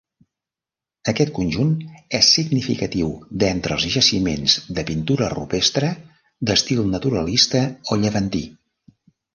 Aquest conjunt és significatiu d'entre els jaciments de pintura rupestre d'estil naturalista o llevantí.